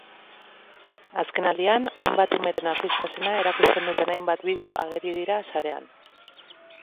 Azkenaldian, hainbat umeren artista sena erakusten duten hainbat bideo ageri dira sarean.